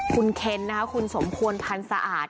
คุณเข็นคุณสมพวลพันธ์สะอาด